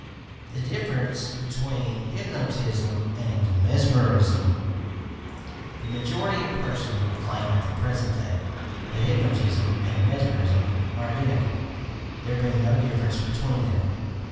THE DIFFERENCE BETWEEN HYPNOTISM AND MESMERISM The majority of persons would claim, at the present day, that hypnotism and mesmerism are identical, there being no difference between them.